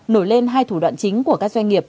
nổi lên hai thủ đoạn chính của các doanh nghiệp